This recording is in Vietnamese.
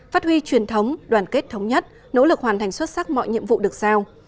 phát huy truyền thống đoàn kết thống nhất nỗ lực hoàn thành xuất sắc mọi nhiệm vụ được sao